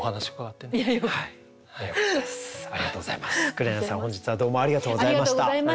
紅さん本日はどうもありがとうございました。